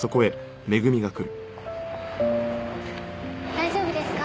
大丈夫ですか？